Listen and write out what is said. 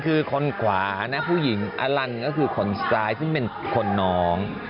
คือคนขวานะผู้หญิงอลันก็คือคนซ้ายซึ่งเป็นคนน้อง